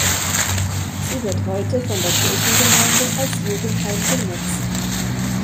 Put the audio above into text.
Sie wird heute von der Kirchengemeinde als Jugendheim genutzt.